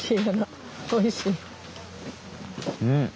うん！